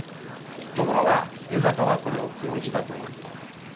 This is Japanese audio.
ところが江坂はこれを黒字だと言う。